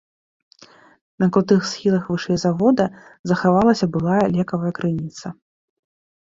На крутых схілах вышэй завода захавалася былая лекавая крыніца.